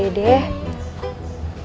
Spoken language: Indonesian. emak teh sayang sama dede